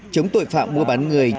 chống tội phạm mua bán người